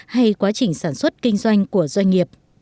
hay quá trình sản xuất kinh doanh của doanh nghiệp